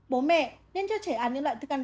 bố mẹ nên cho trẻ ăn những loại thức ăn